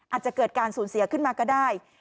อาจจะเกิดการสูญเสียขึ้นมาก็ได้